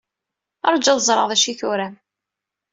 Ṛju ad ẓreɣ d acu ay turam.